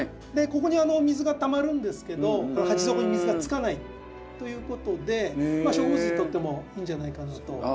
ここに水がたまるんですけど鉢底に水がつかないということで植物にとってもいいんじゃないかなと。